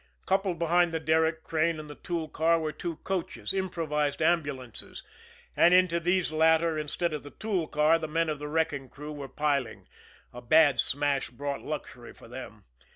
Coupled behind the derrick crane and the tool car were two coaches, improvised ambulances, and into these latter, instead of the tool car, the men of the wrecking gang were piling a bad smash brought luxury for them.